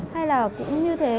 hay là cũng như thế